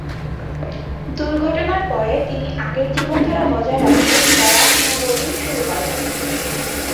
দুর্ঘটনার পরে তিনি আগের জীবনধারা বজায় রাখতে প্যারা-স্নোবোর্ডিং শুরু করেন।